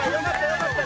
よかった。